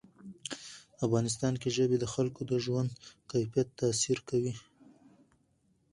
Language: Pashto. افغانستان کې ژبې د خلکو د ژوند کیفیت تاثیر کوي.